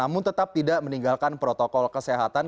namun tetap tidak meninggalkan protokol kesehatan